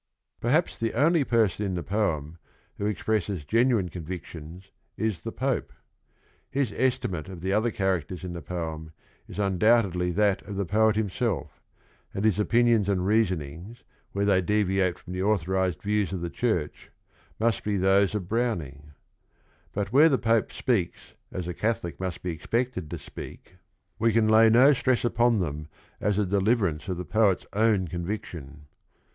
Perhaps the only person in the poem who ex presses genuine convictions is the .Pope. His estima.te_ of the other characters in the poem is undoubtedly that of the poet himself, and his opinions and reasoni ngs where they deviate from authorized views of the (Jhurch must be those of Browning; but where the Pope speaks as a Catholic must be expected to speak, we can lay 216 THE RING AND THE BOOK no stress upon them as a deliverance of the poet's own conviction.